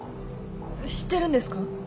知ってるんですか？